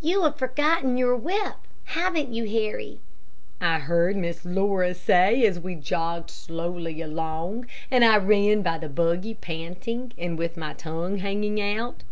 "You have forgotten your whip, haven't you Harry?" I heard Miss Laura say, as we jogged slowly along, and I ran by the buggy panting and with my tongue hanging out.